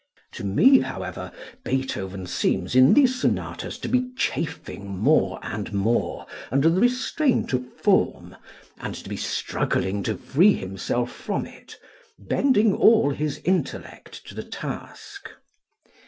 To me, however, Beethoven seems in these sonatas to be chafing more and more under the restraint of form and to be struggling to free himself from it, bending all his intellect to the task.